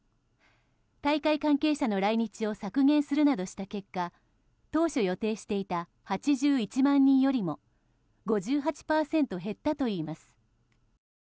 海外関係者の来日を削減するなどした結果当初予定していた８１万人よりも５８％減ったといいます。